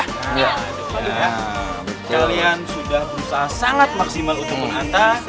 kalian sudah berusaha sangat maksimal untuk menghantam